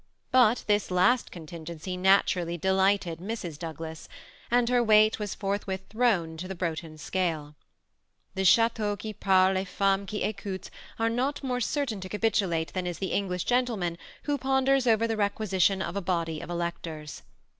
But this last contingency nat urally delighted Mrs. Douglas, and her weight was forthwith thrown into the Broughton scale. The *< chateau qui parte el femme qui iamte " are not more certain to capitulate than is the English gentleman who ponders over the requisition of a body of elec tors.